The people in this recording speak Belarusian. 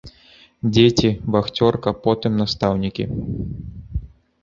Дзеці, вахцёрка, потым настаўнікі.